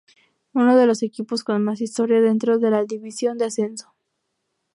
Uno de los equipos con más historia dentro de la División de Ascenso.